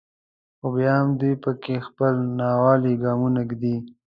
خو بیا هم دوی په کې خپل ناولي ګامونه ږدي.